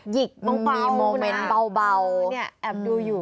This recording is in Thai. หยิกมองเปล่ามีโมเมนต์เบานี่แอบดูอยู่